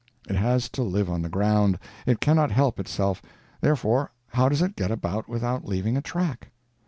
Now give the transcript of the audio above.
It has to live on the ground, it cannot help itself; therefore, how does it get about without leaving a track?